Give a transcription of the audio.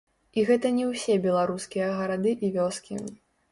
І гэта не ўсе беларускія гарады і вёскі.